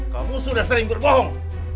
kamu sudah sering berbohong